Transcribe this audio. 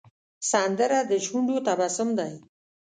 سندره د شونډو تبسم دی